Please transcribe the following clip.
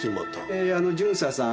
えー巡査さん。